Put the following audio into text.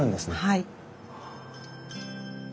はい。